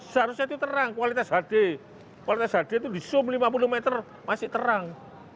seharusnya itu terang kualitas hd kualitas hd itu di zoom lima puluh meter masih terang